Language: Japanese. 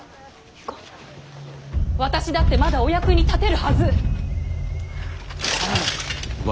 私だってまだお役に立てるはず！